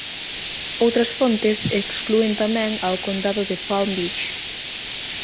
Outras fontes exclúen tamén ao Condado de Palm Beach.